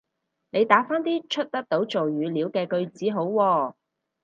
你打返啲出得做語料嘅句子好喎